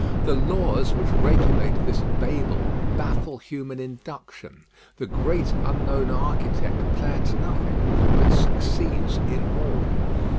The laws which regulate this Babel baffle human induction. The great unknown architect plans nothing, but succeeds in all.